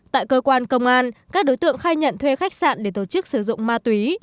tại cơ quan công an các đối tượng khai nhận thuê khách sạn để tổ chức sử dụng ma túy